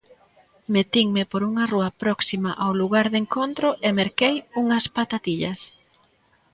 Metinme por unha rúa próxima ao lugar de encontro e merquei unhas patatillas.